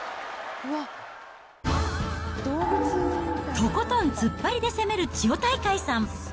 とことん突っ張りで攻める千代大海さん。